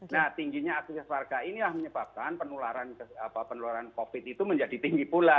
nah tingginya aktivitas warga inilah menyebabkan penularan covid itu menjadi tinggi pula